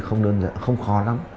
không đơn giản không khó lắm